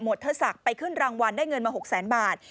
เธอศักดิ์ไปขึ้นรางวัลได้เงินมา๖แสนบาท